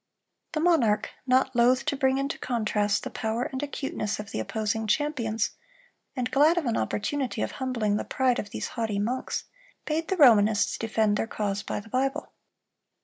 The monarch, not loath to bring into contrast the power and acuteness of the opposing champions, and glad of an opportunity of humbling the pride of these haughty monks, bade the Romanists defend their cause by the Bible.